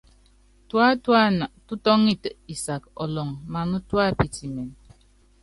Tuátúan tútɔ́ŋɛt isak ɔlɔŋ maná tuá pitimɛn.